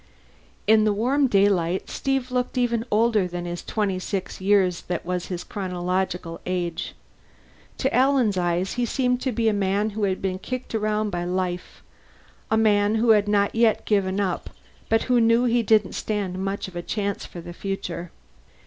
In the warm daylight, Steve looked even older than the twenty six years that was his chronological age. To Alan's eyes he seemed to be a man who had been kicked around by life, a man who had not yet given up but who knew he didn't stand much of a chance for the future.